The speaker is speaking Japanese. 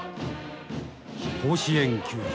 甲子園球場。